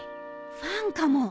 ファンかも。